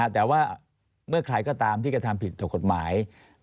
แต่ว่าเมื่อใครก็ตามที่กระทำผิดต่อกฎหมาย